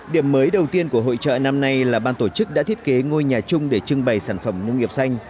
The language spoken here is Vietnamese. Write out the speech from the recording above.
điểm mới đầu tiên của hội trợ năm nay là ban tổ chức đã thiết kế ngôi nhà chung để trưng bày sản phẩm nông nghiệp xanh